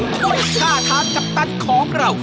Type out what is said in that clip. ท่าทางจัปตันของเรา